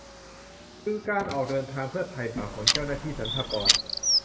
คือการออกเดินทางเพื่อไถ่บาปของเจ้าหน้าที่สรรพากร